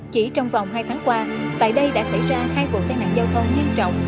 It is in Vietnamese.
chỉ trong vòng hai tháng qua tại đây đã xảy ra hai vụ tai nạn giao thông nghiêm trọng